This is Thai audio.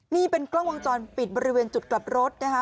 นี่เป็นกล้องวงจรปิดบริเวณจุดกลับรถนะคะ